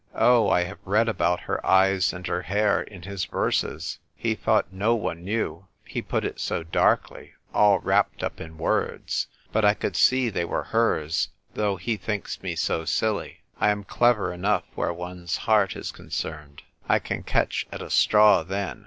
Oh, I have read about her eyes and her hair in his verses. He thought no one knew ; he put it so darkly — all wrapped up in words ; but I could see they were hers, though he thinks me so silly. I am clever enough where one's heart is concerned ; I can catch at a straw then.